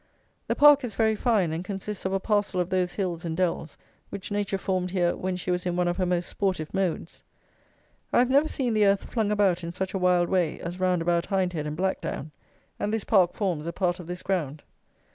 The Park is very fine, and consists of a parcel of those hills and dells which Nature formed here when she was in one of her most sportive modes. I have never seen the earth flung about in such a wild way as round about Hindhead and Blackdown; and this Park forms a part of this ground.